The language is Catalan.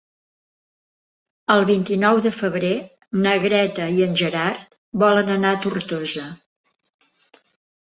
El vint-i-nou de febrer na Greta i en Gerard volen anar a Tortosa.